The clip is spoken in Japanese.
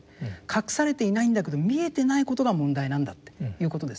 隠されていないんだけど見えてないことが問題なんだっていうことですね。